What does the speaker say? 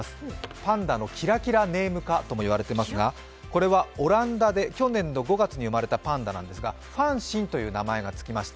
パンダのキラキラネーム化とも言われていますがこれはオランダで去年５月に生まれたパンダなんですがファンシンという名前が付きました。